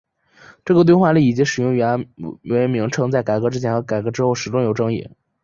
这个兑换率以及使用元为名称在改革之前和之后始终有争议。